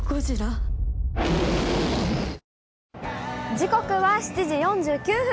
時刻は７時４９分。